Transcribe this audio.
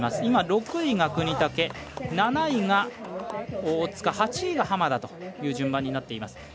今、６位が國武、７位が大塚８位が浜田という順番になっています。